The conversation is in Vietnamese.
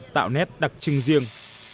tạo nét đặc trưng riêng